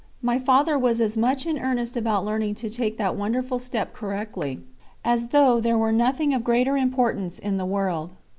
My father was as much in earnest about learning to take that wonderful step correctly, as though there were nothing of greater importance in the world.